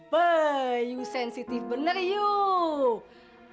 beuh yuk sensitif bener yuk